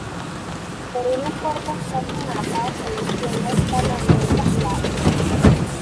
Por una corta escalinata se desciende al Salón del Gran Lago.